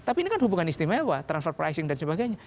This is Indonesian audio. tapi ini kan hubungan istimewa transfer pricing dan sebagainya